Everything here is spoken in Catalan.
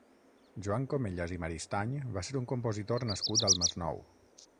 Joan Comellas i Maristany va ser un compositor nascut al Masnou.